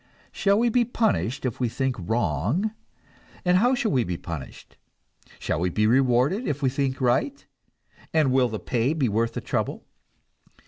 Shall we be punished if we think wrong, and how shall we be punished? Shall we be rewarded if we think right, and will the pay be worth the trouble?